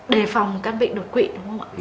đề phòng căn bệnh đột quỵ đúng không ạ